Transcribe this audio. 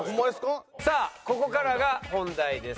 さあここからが本題です。